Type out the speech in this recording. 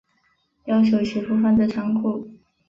要求媳妇放在仓库